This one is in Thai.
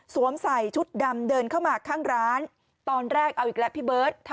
ใส่ชุดดำเดินเข้ามาข้างร้านตอนแรกเอาอีกแล้วพี่เบิร์ต